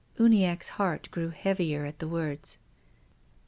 Uniackc's heart grew heavier at the words.